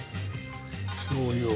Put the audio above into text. しょう油を。